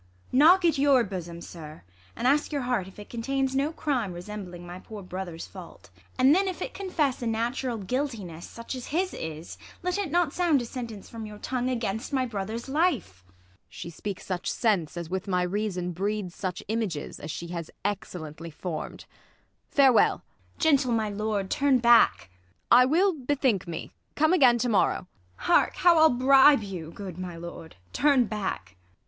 Knock at your bosom, sir, and ask your heart If it contains no crime resembling my Poor brother's fa \\t, and then, if it confess A natural guiltiness, such as his is, Let it not sound a sentence from your tongue Against my brother's life ! Ang. She speaks such sense As with my reason breeds such images, As she has excellently form'd. Farewell ! ISAB. Gentle, my lord, turn back ! Ang. I will bethink me ; come again to morrow. IsAB. Hark, how I'll bribe you ; good, my lord, turn back